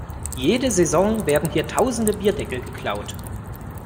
Jede Saison werden hier tausende Bierdeckel geklaut.